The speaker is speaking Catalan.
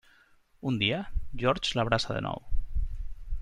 Un dia, George l'abraça de nou.